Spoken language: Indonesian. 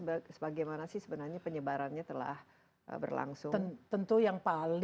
dan real ya terhadap sebagaimana sih sebenarnya penyebarannya telah berlangsung